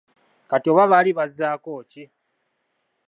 Kati oba baali bazzaako ki?